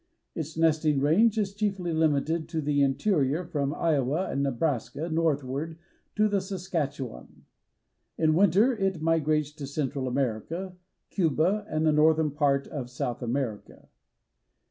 Its nesting range is chiefly limited to the interior from Iowa and Nebraska northward to the Saskatchewan. In winter it migrates to Central America, Cuba and the northern part of South America.